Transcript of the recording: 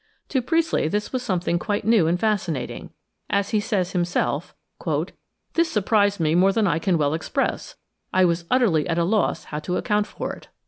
To Priestley this was some thing quite new and fascinating ; as he says himself, " This surprised me more than I can well express ; I was utterly at a loss how to account for it."